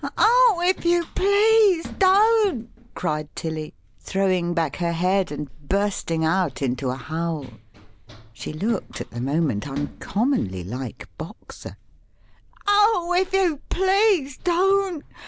"Ow if you please don't!" cried Tilly, throwing back her head, and bursting out into a howl; she looked at the moment uncommonly like Boxer; "Ow if you please don't!